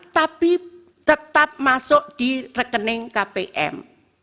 tapi tetap masuk di rekening kpm